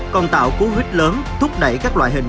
còn tạo cú huyết lớn thúc đẩy các loại hình